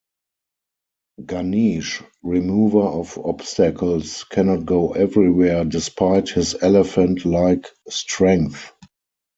Ganesh, remover of obstacles, cannot go everywhere despite his elephant-like strength.